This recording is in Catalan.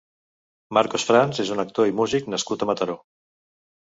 Marcos Franz és un actor i músic nascut a Mataró.